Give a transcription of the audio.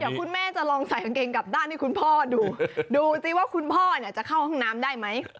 เดี๋ยวคุณแม่จะลองใส่กางเกงกลับด้านให้คุณพ่อดูดูสิว่าคุณพ่อเนี่ยจะเข้าห้องน้ำได้ไหม